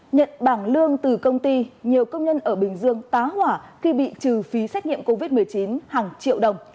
nhận bảng lương từ công ty nhiều công nhân ở bình dương tá hỏa khi bị trừ phí xét nghiệm covid một mươi chín hàng triệu đồng